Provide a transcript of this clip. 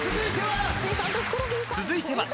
［続いては］